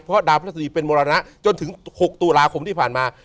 เพราะดาวพระราชดีเป็นมรณะจนถึง๖ตุลาคมที่ผ่านมา